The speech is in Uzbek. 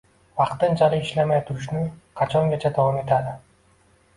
Vaqtinchalik ishlamay turishi qachongacha davom etadi?